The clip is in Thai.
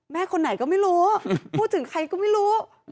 คนไหนก็ไม่รู้พูดถึงใครก็ไม่รู้